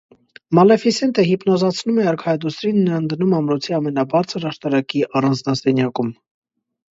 Մալեֆիսենտը հիպնոզացնում է արքայադուստրին նրան դնում ամրոցի ամենաբարձր աշտարակի առանձնասենյակում։